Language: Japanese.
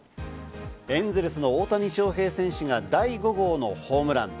エンゼルスの大谷翔平選手が第５号のホームラン。